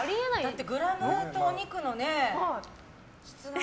だってグラムとお肉の質がね。